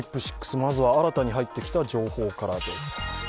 まずは新たに入ってきた情報です